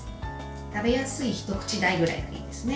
食べやすい一口大ぐらいがいいですね。